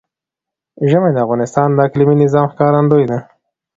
ژمی د افغانستان د اقلیمي نظام ښکارندوی ده.